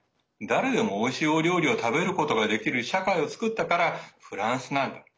誰でも、おいしい料理を食べることができる社会を作ったからフランスなんだ。